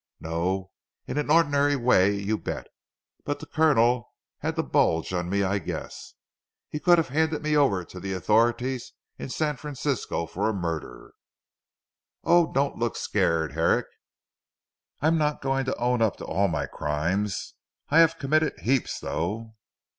"Not in an ordinary way, you bet. But the Colonel had the bulge on me I guess. He could have handed me over to the authorities in San Francisco for a murder. Oh! don't look scared Herrick. I'm not going to own up to all my crimes. I have committed heaps though."